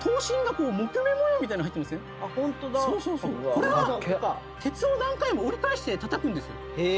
これは鉄を何回も折り返してたたくんですよ。